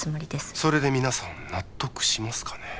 それで皆さん納得しますかね？